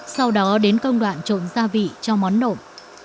sau đó đến công đoạn trộn gia vị cho món nộm